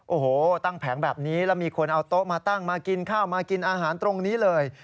โอ้โหตั้งแผงแบบนี้แล้วมีคนเอาโต๊ะมาตั้งมากินข้าวมากินอาหารตรงนี้เลย